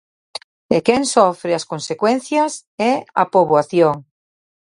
E quen sofre as consecuencias é a poboación.